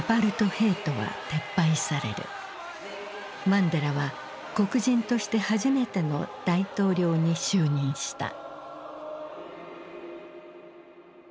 マンデラは黒人として初めての大統領に就任した。